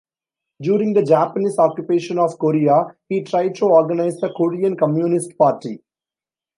During the Japanese occupation of Korea, he tried to organize the Korean Communist Party.